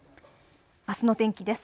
あすの天気です。